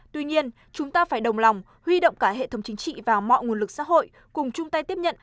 tuy nhiên chúng ta phải đồng lòng huy động cả hệ thống chính trị và mọi nguồn lực xã hội cùng chung tay tiếp nhận